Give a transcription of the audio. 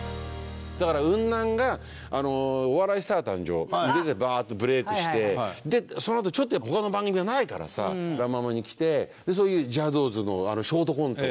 だからウンナンが『お笑いスター誕生！！』に出てバーッとブレークしてそのあとちょっとやっぱり他の番組がないからさラ・ママに来てそういうジャドーズのショートコント